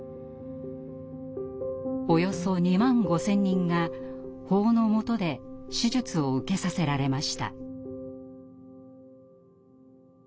およそ２万５，０００人が法の下で手術を受けさせられました。